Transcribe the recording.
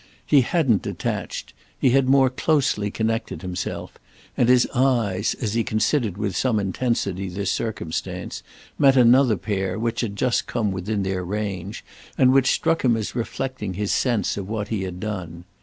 He hadn't detached, he had more closely connected himself, and his eyes, as he considered with some intensity this circumstance, met another pair which had just come within their range and which struck him as reflecting his sense of what he had done.